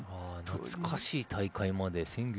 懐かしい大会まで。